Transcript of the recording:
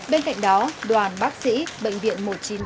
bên cạnh đó đoàn bác sĩ bệnh viện một mươi chín